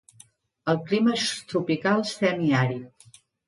El clima és tropical semiàrid.